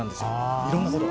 いろんなものが。